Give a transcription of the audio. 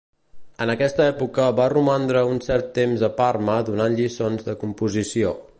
En aquesta època va romandre un cert temps a Parma donant lliçons de composició.